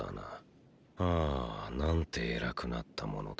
ああ何て偉くなったものだ。